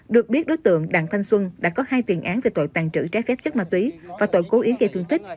được biết đối tượng đặng thanh xuân đã có hai tiền án về tội tàn trữ trái phép chất ma túy và tội cố ý gây thương tích